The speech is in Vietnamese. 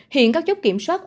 hiện các chốc kiểm soát